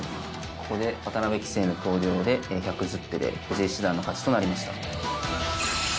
ここで渡辺棋聖の投了で１１０手で藤井七段の勝ちとなりました。